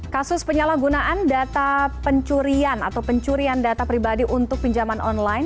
kasus penyalahgunaan data pencurian atau pencurian data pribadi untuk pinjaman online